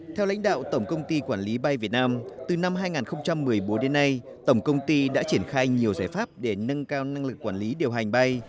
theo lãnh đạo tổng công ty quản lý bay việt nam từ năm hai nghìn một mươi bốn đến nay tổng công ty đã triển khai nhiều giải pháp để nâng cao năng lực quản lý điều hành bay